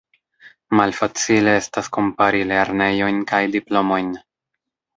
Malfacile estas kompari lernejojn kaj diplomojn.